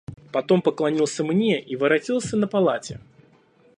Потом поклонился мне и воротился на полати.